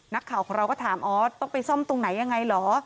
นักข่าวของเราก็ถามอ๋อต้องไปซ่อมตรงไหนยังไงเหรอ